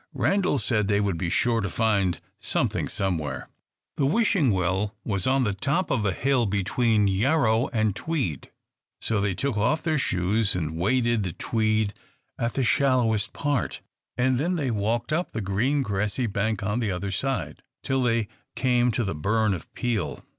Randal said they would be sure to find something somewhere. The Wishing Well was on the top of a hill between Yarrow and Tweed. So they took off their shoes, and waded the Tweed at the shallowest part, and then they walked up the green grassy bank on the other side, till they came to the burn of Peel.